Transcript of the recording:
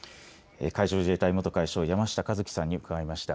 海上自衛隊、元海将、山下万喜さんに伺いました。